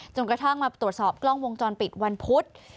กระทั่งมาตรวจสอบกล้องวงจรปิดวันพุธ